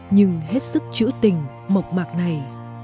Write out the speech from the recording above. nhưng hết sức chữ tình mộc mạc này